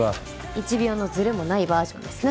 １秒のずれもないバージョンですね。